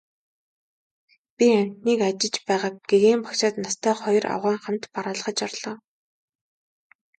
Би амьтныг ажиж байгааг гэгээн багшид настай хоёр авгайн хамт бараалхаж орлоо.